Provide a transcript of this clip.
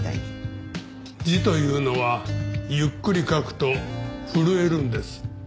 字というのはゆっくり書くと震えるんです。